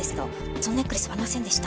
そんなネックレスはありませんでした。